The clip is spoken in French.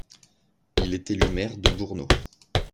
Il est élu maire de Bourneau.